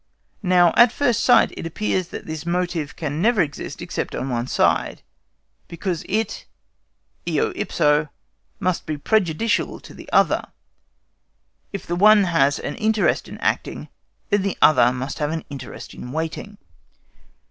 Now, at first sight, it appears that this motive can never exist except on one side, because it, eo ipso, must be prejudicial to the other. If the one has an interest in acting, then the other must have an interest in waiting.